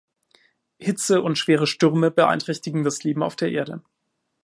Hitze und schwere Stürme beeinträchtigen das Leben auf der Erde.